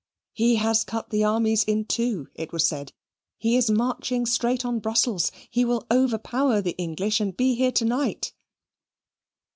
"He has cut the armies in two," it was said. "He is marching straight on Brussels. He will overpower the English, and be here to night."